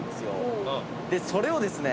それをですね